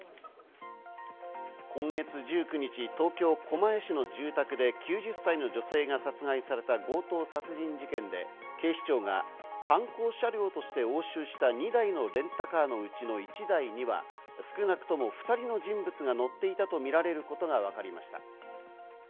今月１９日、東京・狛江市の住宅で９０歳の女性が殺害された強盗殺人事件で、警視庁が犯行車両として押収した２台のレンタカーのうちの１台には少なくとも２人の人物が乗っていたとみられることがわかりました。